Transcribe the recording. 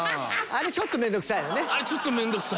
あれちょっと面倒くさい。